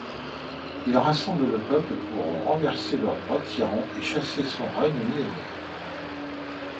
Il rassemble le peuple pour renverser le roi tyran et chasser son règne millénaire.